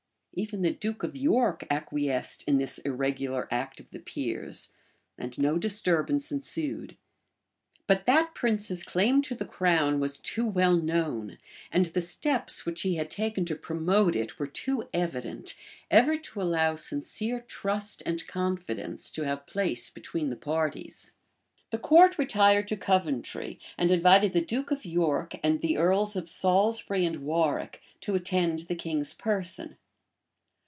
Even the duke of York acquiesced in this irregular act of the peers, and no disturbance ensued. But that prince's claim to the crown was too well known, and the steps which he had taken to promote it were too evident ever to allow sincere trust and confidence to have place between the parties. {1457.} The court retired to Coventry, and invited the duke of York and the earls of Salisbury and Warwick to attend the king's person.